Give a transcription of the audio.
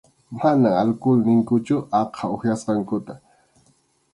Mana alkul ninkuchu aqha upyasqankuta.